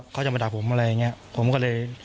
เขาจะมาดักผมอะไรอย่างนี้